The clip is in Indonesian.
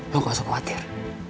lo gak usah khawatir